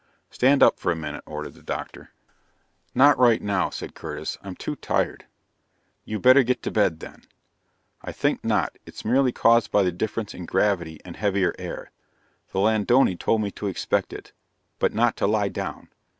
"Stand up for a minute," ordered the doctor. "Not right now," said Curtis. "I'm too tired." "You'd better get to bed, then." "I think not. It's merely caused by the difference in gravity and heavier air. The Ladonai told me to expect it, but not to lie down.